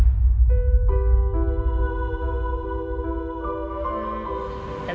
rina sudah mencoba menghadapi al